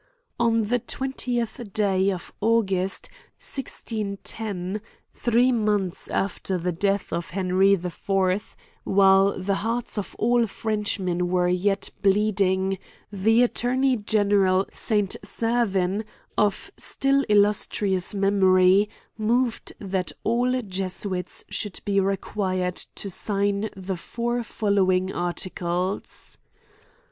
On the twentieth day of August, 1610, three months after the death of Henry IV, while the hearts of all Frenchmen were yet bleeding, the attorney general St. Servin, of still illustrious memory, moved that all Jesuits should be requir ed to sign the four following articles : 1.